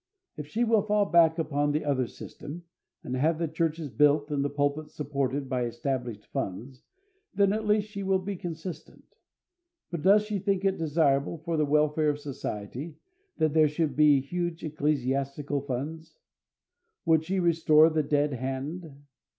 If she will fall back upon the other system, and have the churches built and the pulpits supported by established funds, then, at least, she will be consistent. But does she think it desirable for the welfare of society that there should be huge ecclesiastical funds? Would she restore the dead hand?